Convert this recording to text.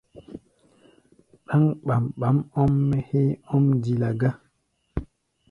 Ɗáŋ ɓambaŋ ɔ́m-mɛ́ héé ɔ́m dila gá!